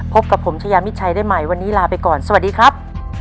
พบกับผมชายามิดชัยได้ใหม่วันนี้ลาไปก่อนสวัสดีครับ